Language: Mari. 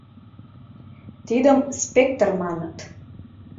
Тидым спектр маныт.